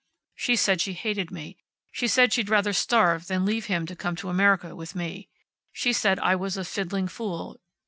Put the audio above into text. She said she hated me. She said she'd rather starve than leave him to come to America with me. She said I was a fiddling fool.